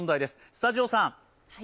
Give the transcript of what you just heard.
スタジオさん。